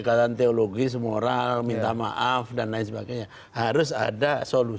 kalau polosi pen ainda umno ini eiv download com dan di dalam dadang sdj dan di bawah klikschactqan mendapat komp powellyeah